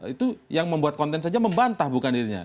itu yang membuat konten saja membantah bukan dirinya